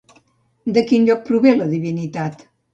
De quin lloc prové la divinitat?